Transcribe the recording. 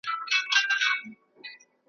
د رنګونو وېش یې کړی په اوله ورځ سبحان .